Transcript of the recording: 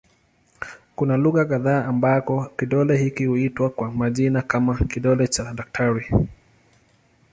Kuna lugha kadha ambako kidole hiki huitwa kwa majina kama "kidole cha daktari".